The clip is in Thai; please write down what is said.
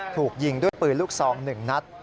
ถูกยิงด้วยปืนลูกซอง๑นัด